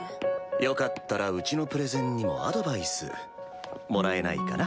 よかったらうちのプレゼンにもアドバイスもらえないかな？